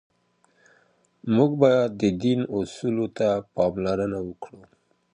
موږ باید د دین اصولو ته پاملرنه وکړو.